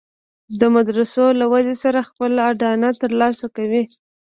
د مدرسو له ودې سره خپله اډانه تر لاسه کوي.